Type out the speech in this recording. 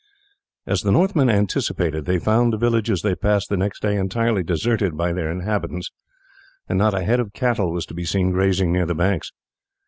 As the Northmen anticipated they found the villages they passed the next day entirely deserted by their inhabitants, and not a head of cattle was to be seen grazing near the banks.